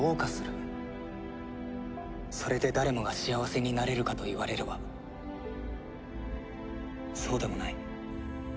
「それで誰もが幸せになれるかと言われればそうでもない」